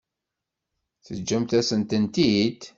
Teǧǧamt-asen-tent-id?